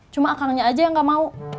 cuma akangnya aja yang gak mau